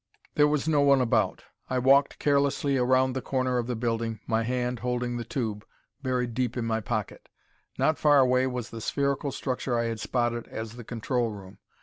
There was no one about. I walked carelessly around the corner of the building, my hand, holding the tube, buried deep in my pocket. Not far away was the spherical structure I had spotted as the control room.